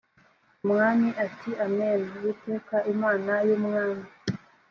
umwami ati amen uwiteka imana y umwami